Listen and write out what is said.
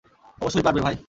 অবশ্যই পারবে, ভাই।